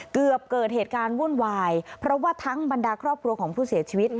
เกิดเหตุการณ์วุ่นวายเพราะว่าทั้งบรรดาครอบครัวของผู้เสียชีวิต